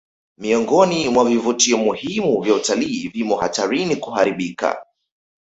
Miongoni mwa vivutio muhimu vya utalii vimo hatarini kuharibika